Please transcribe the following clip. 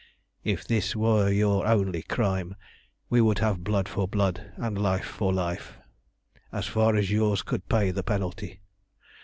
"If this were your only crime we would have blood for blood, and life for life, as far as yours could pay the penalty.